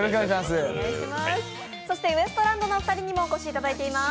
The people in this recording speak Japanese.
そしてウエストランドのお二人にもお越しいただいています。